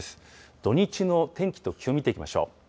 土日の天気と気温を見ていきましょう。